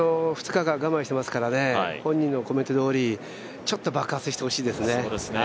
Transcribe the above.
２日間、我慢してますから本人のコメントどおり爆発してほしいですね。